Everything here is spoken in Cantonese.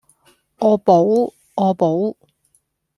啊寶啊寶